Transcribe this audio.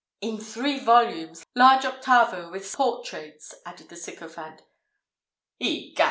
"In three volumes, large octavo, with portraits," added the sycophant. "Egad!